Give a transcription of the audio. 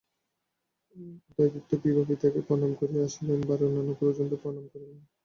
উদয়াদিত্য ও বিভা পিতাকে প্রণাম করিয়া আসিলেন, বাড়ির অন্যান্য গুরুজনদের প্রণাম করিলেন।